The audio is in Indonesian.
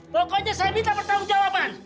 pokoknya saya minta pertanggung jawaban